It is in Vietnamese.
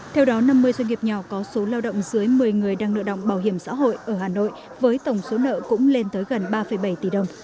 theo đó năm mươi doanh nghiệp nhỏ có số lao động dưới một mươi người đang nợ động bảo hiểm xã hội ở hà nội với tổng số nợ cũng lên tới gần ba bảy tỷ đồng